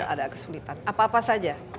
ada kesulitan apa apa saja